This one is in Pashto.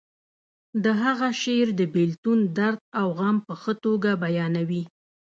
د هغه شعر د بیلتون درد او غم په ښه توګه بیانوي